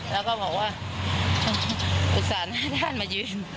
แล้วก็หมอว่าระฟุตศาสตร์หน้าด้านมายืน